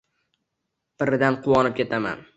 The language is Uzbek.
birdan quvonib ketaman.